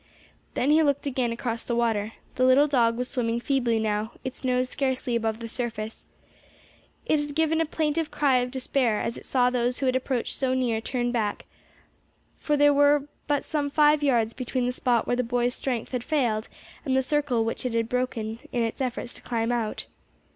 Then he looked again across the water. The little dog was swimming feebly now, its nose scarcely above the surface. It had given a plaintive cry of despair as it saw those who had approached so near turn back, for there were but some five yards between the spot where the boy's strength had failed and the circle which it had broken in its efforts to climb out.